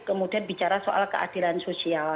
kemudian bicara soal keadilan sosial